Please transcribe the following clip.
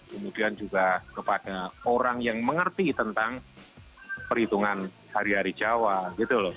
kemudian juga kepada orang yang mengerti tentang perhitungan hari hari jawa gitu loh